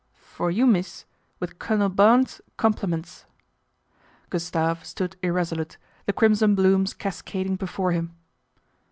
" For you, mees, with Colonel Baun's compli ments." Gustave stood irresolute, the crimson blooms cascading before him.